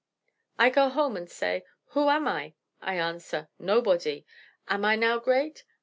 "I go home unt say: 'Who am I?' I answer: 'Nobody!' Am I now great?